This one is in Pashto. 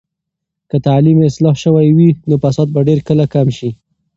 که تعلیم اصلاح شوي وي، نو فساد به ډیر کله کم شي.